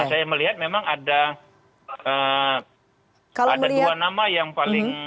saya melihat memang ada dua nama yang paling